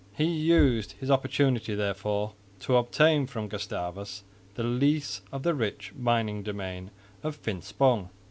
He used his opportunity therefore to obtain from Gustavus the lease of the rich mining domain of Finspong.